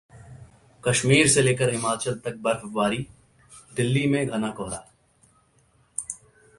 कश्मीर से लेकर हिमाचल तक बर्फबारी, दिल्ली में घना कोहरा